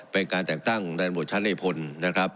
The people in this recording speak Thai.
เป็นการแต่งตั้งดันบทชั้นในพลนะครับ